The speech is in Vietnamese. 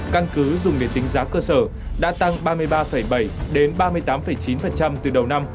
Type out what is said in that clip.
căn cứ dùng để tính giá cơ sở đã tăng ba mươi ba bảy đến ba mươi tám chín từ đầu năm